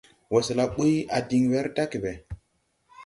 Wɔsɛla ɓuy a diŋ wɛr dage jag ɓɛ.